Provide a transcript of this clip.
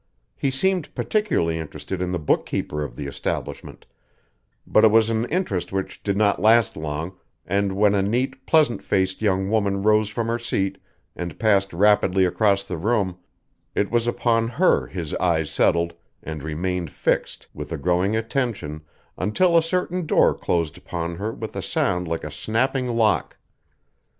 He seemed particularly interested in the bookkeeper of the establishment, but it was an interest which did not last long, and when a neat, pleasant faced young woman rose from her seat and passed rapidly across the room, it was upon her his eyes settled and remained fixed, with a growing attention, until a certain door closed upon her with a sound like a snapping lock.